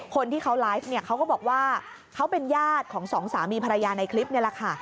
คนที่เขาไลฟ์เนี่ยเขาก็บอกว่าเขาเป็นญาติของสองสามีภรรยาในคลิปนี่แหละค่ะ